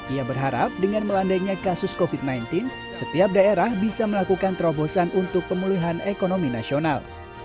ia berharap dengan melandainya kasus covid sembilan belas setiap daerah bisa melakukan terobosan untuk pemulihan ekonomi nasional